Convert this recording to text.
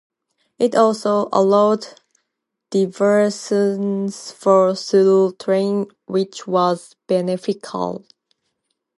It also allowed diversions for through trains which was beneficial.